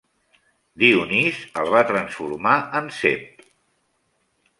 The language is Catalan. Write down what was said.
Dionís, el va transformar en cep.